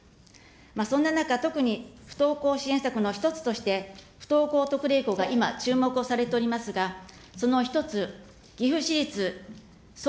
そんな中、特に不登校支援策の一つとして、不登校特例校が注目をされておりますが、その一つ、岐阜市立そう